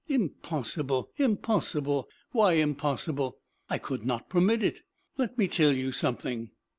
"Impossible! Impossible!" "Why impossible?" "I could not permit it." "Let me tell you something.